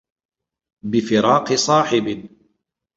بِفِرَاقِ صَاحِبٍ